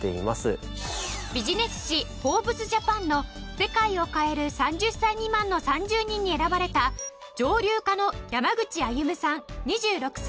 ビジネス誌『フォーブスジャパン』の「世界を変える３０歳未満の３０人」に選ばれた蒸留家の山口歩夢さん２６歳。